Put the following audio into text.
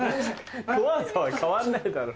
怖さは変わんないだろ。